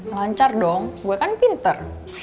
lancar dong gue kan pinter